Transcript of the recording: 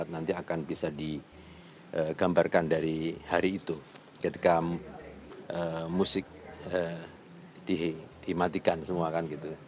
nanti akan bisa digambarkan dari hari itu ketika musik dimatikan semua kan gitu